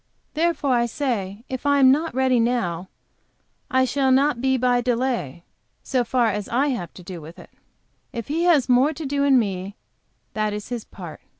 Therefore I say, if I am not ready now, I shall not be by delay, so far as I have to do with it. If He has more to do in me that is His part.